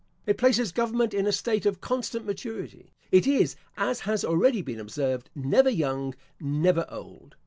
It places government in a state of constant maturity. It is, as has already been observed, never young, never old.